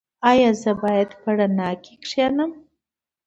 ایا زه باید په رڼا کې کینم؟